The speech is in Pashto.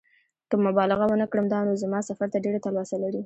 که مبالغه ونه کړم دا نو زما سفر ته ډېره تلوسه لري.